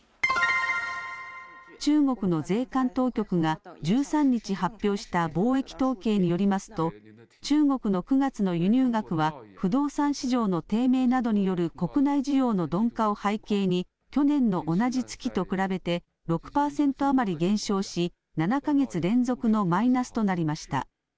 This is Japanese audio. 中国の税関当局が１３日発表した貿易統計によりますと中国の９月の輸入額は不動産市場の低迷などによる国内需要の鈍化を背景に去年の同じ月と比べて６パーセント余り減少し７か月連続のマイナスとなりました。